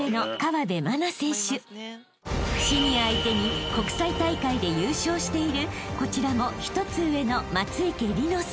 ［シニア相手に国際大会で優勝しているこちらも１つ上の］